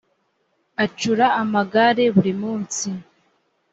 acura amagare burimunsi.